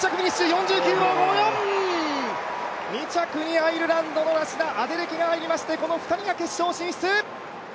４９秒５４、２着にアイルランドのラシダ・アデレケが入りましてこの２人が決勝進出。